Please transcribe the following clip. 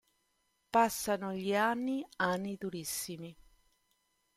Passano gli anni, anni durissimi.